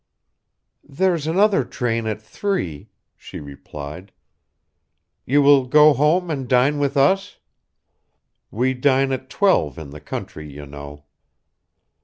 "There's another train at three," she replied. "You will go home and dine with us? We dine at twelve in the country, you know."